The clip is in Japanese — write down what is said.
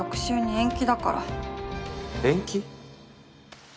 延期？